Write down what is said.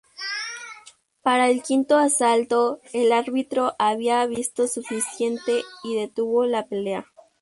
Para el quinto asalto, el árbitro había visto suficiente y detuvo la pelea.